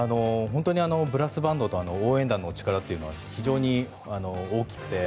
本当にブラスバンドと応援団の力というのは非常に大きくて。